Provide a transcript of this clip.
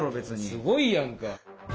すごいやんか。